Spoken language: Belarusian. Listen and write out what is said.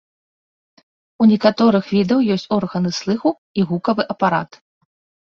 У некаторых відаў ёсць органы слыху і гукавы апарат.